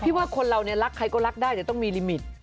ว่าคนเราเนี่ยรักใครก็รักได้แต่ต้องมีลิมิต